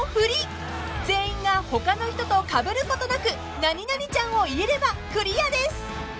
［全員が他の人とかぶることなく何々ちゃんを言えればクリアです］